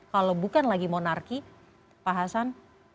kalau bukan lagi monarki pak hasan